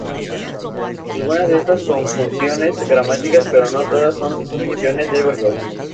Algunas de estas conjunciones gramaticales, pero no todas, son funciones de verdad.